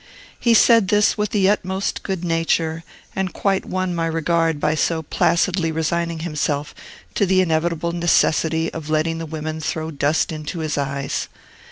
He said this with the utmost good nature, and quite won my regard by so placidly resigning himself to the inevitable necessity of letting the women throw dust into his eyes.